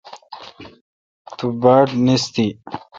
تو۔ باڑنیستی